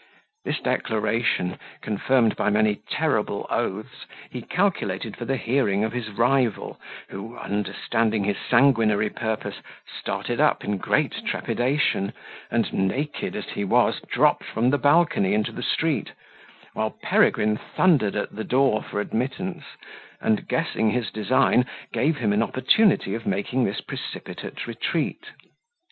This declaration, confirmed by many terrible oaths, he calculated for the hearing of his rival, who, understanding his sanguinary purpose, started up in great trepidation, and, naked as he was, dropped from the balcony into the street, while Peregrine thundered at the door for admittance, and, guessing his design, gave him an opportunity of making this precipitate retreat.